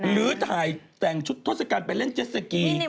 หรือแสงชุดทศกัณฑ์ไปเล่นเจสสกี